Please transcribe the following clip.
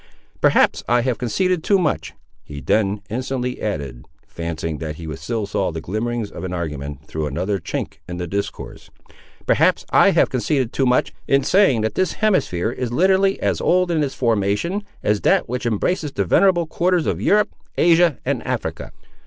"Perhaps I have conceded too much," he then instantly added, fancying that he still saw the glimmerings of an argument through another chink in the discourse. "Perhaps I have conceded too much, in saying that this hemisphere is literally as old in its formation, as that which embraces the venerable quarters of Europe, Asia, and Africa."